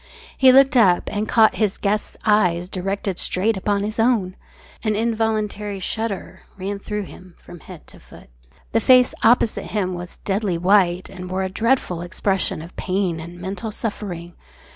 He looked up and caught his guest's eyes directed straight upon his own. An involuntary shudder ran through him from head to foot. The face opposite him was deadly white and wore a dreadful expression of pain and mental suffering.